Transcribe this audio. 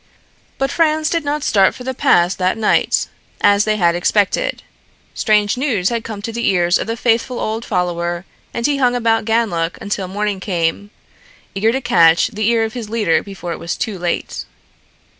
But Franz did not start for the pass that night, as they had expected. Strange news had come to the ears of the faithful old follower and he hung about Ganlook until morning came, eager to catch the ear of his leader before it was too late.